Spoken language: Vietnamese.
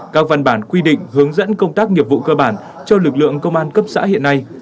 các văn bản quy định hướng dẫn công tác nghiệp vụ cơ bản cho lực lượng công an cấp xã hiện nay